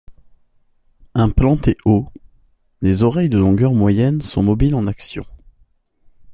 Implantées haut, les oreilles de longueur moyenne sont mobiles en action.